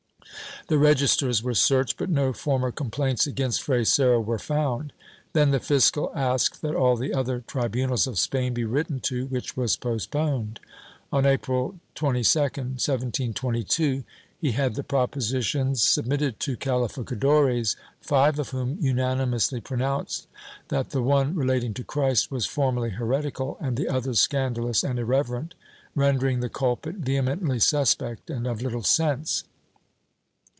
The registers were searched, but no former complaints against Fray Serra were found. Then the fiscal asked that all the other tribunals of Spain be written to, which was postponed. On April 22, 1722 he had the proposi tions submitted to calificadores, five of whom unanimously pro nounced that the one relating to Christ was formally heretical and the others scandalous and irreverent, rendering the culprit vehe mently suspect and of little sense.